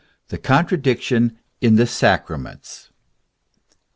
THE CONTRADICTION IN THE SACRAMENTS.